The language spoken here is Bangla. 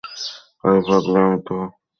আরে পাগলি, আমি তোর মা-বাবার মতো ওল্ড ফ্যাশনের নই!